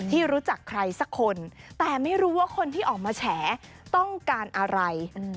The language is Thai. ที่รู้จักใครสักคนแต่ไม่รู้ว่าคนที่ออกมาแฉต้องการอะไร